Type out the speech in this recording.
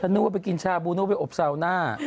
ฉันนึกว่าไปกินชาบูนึกว่าไปอบซาวน่า